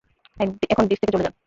এখন ব্রিজ থেকে চলে যান।